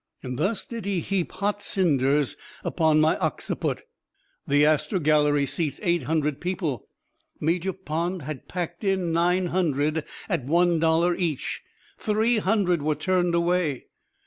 Thus did he heap hot cinders upon my occiput. The Astor gallery seats eight hundred people. Major Pond had packed in nine hundred at one dollar each three hundred were turned away.